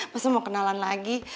masih mau kenalan lagi